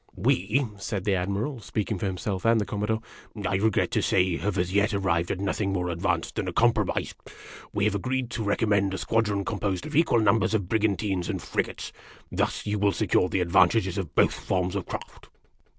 " We," said the Admiral, speaking for himself and the Commodore, " I regret to say, have as yet arrived at nothing more advanced than a compromise. We have agreed to recommend a squadron composed of equal numbers of brigantines and frigates. Thus you will secure the advantages of both forms of craft."